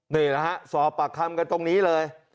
นี่แหละฮะสอบปากคำกันตรงนี้เลย